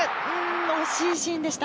惜しいシーンでした。